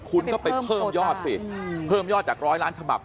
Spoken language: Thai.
คุณก็ไปเพิ่มยอดสิเพิ่มยอดจากร้อยล้านฉบับ